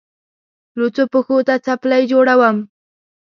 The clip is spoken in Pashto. لوڅو پښو ته څپلۍ جوړوم.